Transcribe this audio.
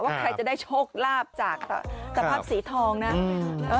ว่าใครจะได้โชคลาภจากตะพราบสีทองนะ